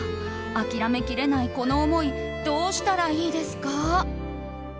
諦めきれないこの思いどうしたらいいですか？